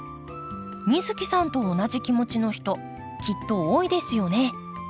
美月さんと同じ気持ちの人きっと多いですよね。